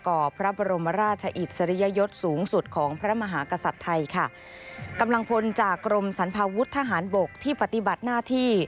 ่อพระบรมราชอิสริยยศสูงสุดของพระมหากษัตริย์ไทยค่ะกำลังพลจากกรมสรรพาวุฒิทหารบกที่ปฏิบัติหน้าที่